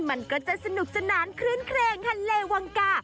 มันก็จะสนุกสนานคลื้นเครงฮันเลวังกา